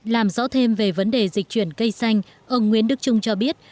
làm rõ thêm về vấn đề dịch chuyển cây xanh ông nguyễn đức trung cho biết